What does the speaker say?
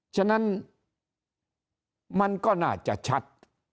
ฉะนั้นมันก็น่าจะชัด